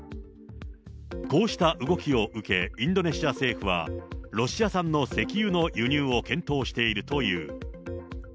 こうした動きを受け、インドネシア政府は、ロシア産の石油の輸入を検討しているという。